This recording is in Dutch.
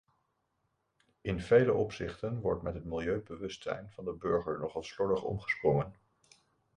In vele opzichten wordt met het milieubewustzijn van de burger nogal slordig omgesprongen.